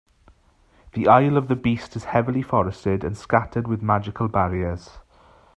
The Isle of the Beast is heavily forested and scattered with magical barriers.